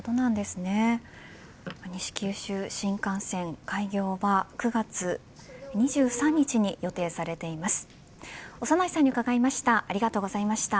西九州新幹線開業は９月２３日に予定されています。